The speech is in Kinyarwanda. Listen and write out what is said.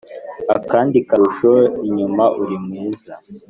Akandi karusho inyuma uri Mwiza